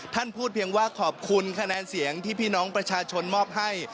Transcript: ท่านพูดเพียงว่าขอบคุณคะแนนเสียงที่พี่น้องประชาชนมอบให้